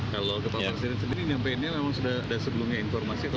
kalau kepala presiden sendiri menyampaikannya memang sudah ada sebelumnya informasi